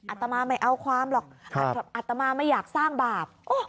ตมาไม่เอาความหรอกอัตมาไม่อยากสร้างบาป